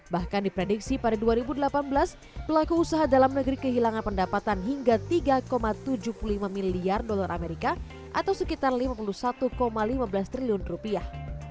bahkan diprediksi pada dua ribu delapan belas pelaku usaha dalam negeri kehilangan pendapatan hingga tiga tujuh puluh lima miliar dolar amerika atau sekitar lima puluh satu lima belas triliun rupiah